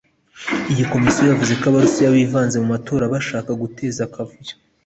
Iyi komisiyo yavuze ko Abarusiya bivanze mu matora bashaka guteza akavuyo